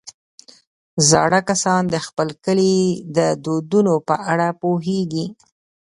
زاړه کسان د خپل کلي د دودونو په اړه پوهېږي